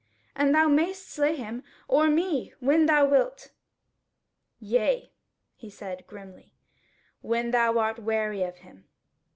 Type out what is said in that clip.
and thou mayst slay him or me when thou wilt." "Yea," he said, grimly, "when thou art weary of him.